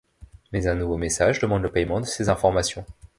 Mais un nouveau message demande le paiement de ces informations.